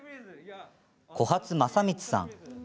小波津正光さん。